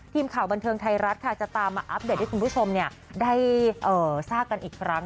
ทีมข่าวบันเทิงไทยรัฐค่ะจะตามมาอัปเดตให้คุณผู้ชมได้ทราบกันอีกครั้ง